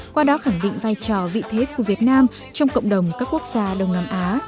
qua đó khẳng định vai trò vị thế của việt nam trong cộng đồng các quốc gia đông nam á